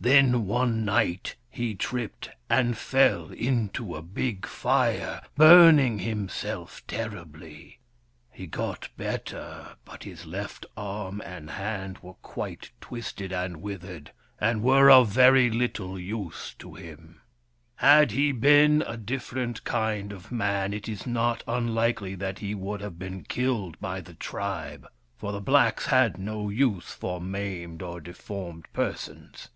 Then, one night, he tripped and fell into a big fire, burning himself terribly. He got better, but his left arm and hand were quite twisted and withered, and were of very little use to him. Had he been a different kind of man, it is not unlikely that he would have been killed by the tribe, for the blacks had no use for maimed or WURIP, THE FIRE BRINGER 239 deformed persons.